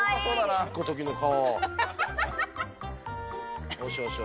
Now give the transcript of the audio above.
おしっこのときの顔。